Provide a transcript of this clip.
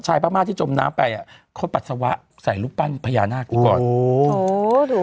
ชายพระม่าที่จมน้ำเขาปัสสาวะใส่รูปปั้นพญานาคกันก่อน